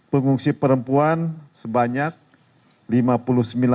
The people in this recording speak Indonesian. pengungsi perempuan sebanyak lima puluh sembilan tujuh ratus lima puluh sembilan jiwa